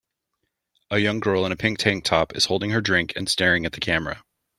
A young girl in a pink tank top is holding her drink and staring at the camera.